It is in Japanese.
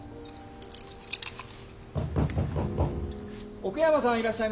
・奥山さんいらっしゃいますか？